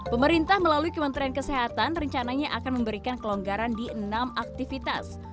pemerintah melalui kementerian kesehatan rencananya akan memberikan kelonggaran di enam aktivitas